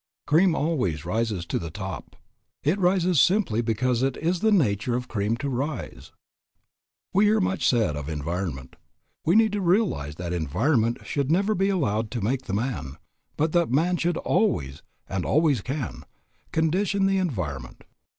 Cream always rises to the top. It rises simply because it is the nature of cream to rise. We hear much said of "environment." We need to realize that environment should never be allowed to make the man, but that man should always, and always can, condition the environment.